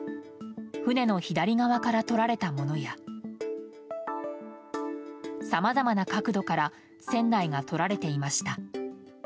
船の左側から撮られたものやさまざまな角度から船内が撮られていました。